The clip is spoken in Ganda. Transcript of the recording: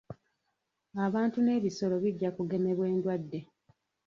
Abantu n'ebisolo bijja kugemebwa endwadde.